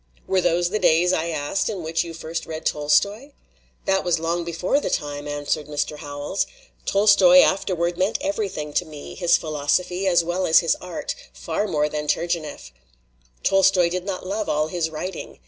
"Were those the days,'* I asked, "in which you first read Tolstoy?" "That was long before the time," answered Mr. Howells. "Tolstoy afterward meant everything to me his philosophy as well as his art far more than Turgenieff. Tolstoy did not love all his writing.